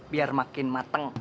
biar makin mateng